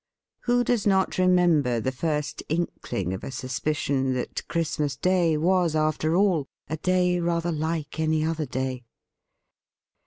Who does not remember the first inkling of a suspicion that Christ mas Day was after all a day rather like any other day?